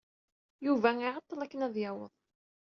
Yuba iɛeḍḍel akken ad yaweḍ.